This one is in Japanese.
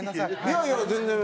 いやいや全然。